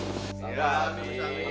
sampai jumpa neng